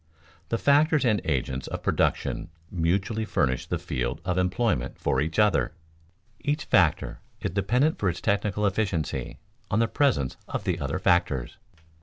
The factors and agents of production mutually furnish the field of employment for each other. Each factor is dependent for its technical efficiency on the presence of the other factors.